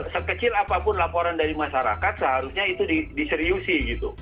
sekecil apapun laporan dari masyarakat seharusnya itu diseriusi gitu